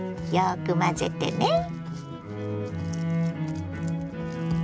よく混ぜてね。